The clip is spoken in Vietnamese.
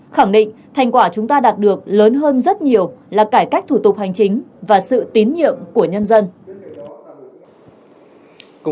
khẳng định thành quả chúng ta đạt được lớn hơn rất nhiều là cải cách thủ tục hành chính và sự tín nhiệm của nhân dân